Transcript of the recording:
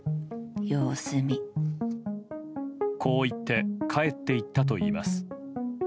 こう言って帰っていったといいます。